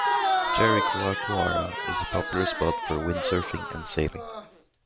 Jericoacoara is a popular spot for windsurfing and sailing.